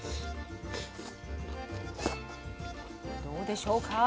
どうでしょうか？